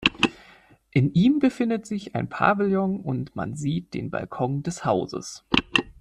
In ihm befindet sich ein Pavillon, und man sieht den Balkon des Hauses.